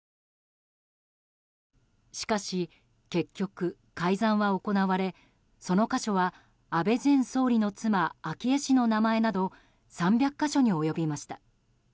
しかし結局、改ざんは行われその箇所は安倍前総理の妻昭恵氏の名前など３００か所に及びました。